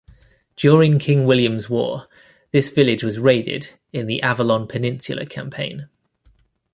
During King William's War, this village was raided in the Avalon Peninsula Campaign.